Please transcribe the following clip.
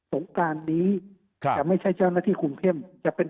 ต้องปากดีค่ะไม่ใช่เจ้านักที่คุยใช้ที่